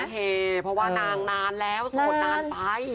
ส่วนตัวเฮเพราะว่านานแล้วส่วนนานไป